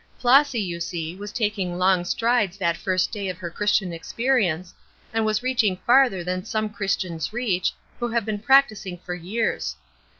Flossy, you see, was taking long strides that first day of her Christian experience, and was reaching farther than some Christians reach who have been practicing for years.